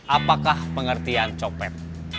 apakah pengertian copet